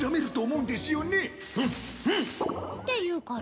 うんうんって言うから。